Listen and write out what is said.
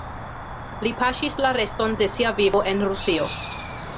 Li paŝis la reston de sia vivo en Rusio.